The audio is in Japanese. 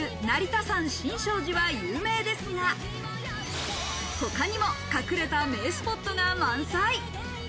成田山新勝寺は有名ですが、他にも隠れた名スポットが満載。